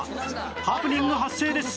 ハプニング発生です